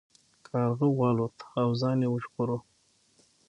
کارغه والوت او ځان یې وژغوره.